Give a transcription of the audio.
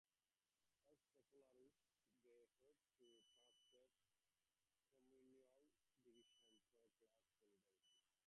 As secularists, they hoped to transcend communal divisions through class solidarity.